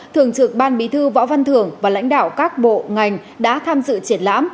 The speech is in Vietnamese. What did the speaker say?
thường trực ban bí thư võ văn thường và lãnh đạo các bộ ngành đã tham dự triển lãm